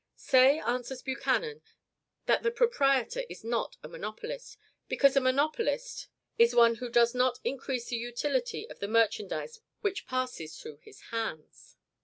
Say answers Buchanan, that the proprietor is not a monopolist, because a monopolist "is one who does not increase the utility of the merchandise which passes through his hands."